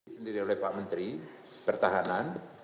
sendiri oleh pak menteri pertahanan